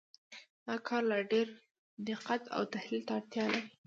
دا کار لا ډېر دقت او تحلیل ته اړتیا لري.